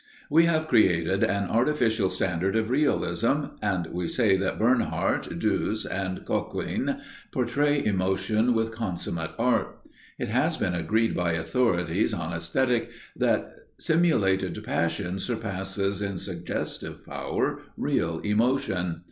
We have created an artificial standard of realism, and we say that Bernhardt, Duse and Coquelin portray emotion with consummate art. It has been agreed by authorities on Æsthetic that simulated passion surpasses in suggestive power real emotion.